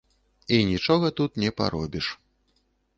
І нічога тут не паробіш.